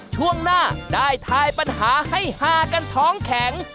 ช่วงหน้าได้ทายปัญหาให้ฮากันท้องแข็ง